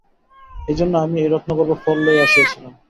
এই জন্যে আমি এই রত্নগর্ভ ফল লইয়া আসিয়াছিলাম।